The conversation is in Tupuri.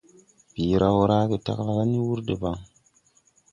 Bii raw raage tagla la ni wur debaŋ.